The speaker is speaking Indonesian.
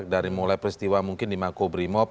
dari mulai peristiwa mungkin di makobrimob